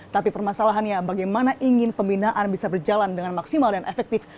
tapi permasalahannya bagaimana ingin pembinaan bisa berjalan dengan maksimal dan efektif